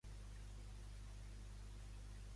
Què deia un escrit que li va arribar d'en Viktor?